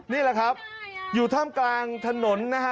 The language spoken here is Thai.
นี่แหละครับอยู่ท่ามกลางถนนนะฮะ